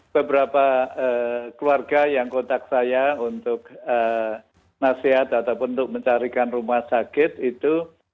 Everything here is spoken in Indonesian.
beberapa keluarga yang kontak saya untuk nasihat ataupun untuk mencarikan rumah sakit itu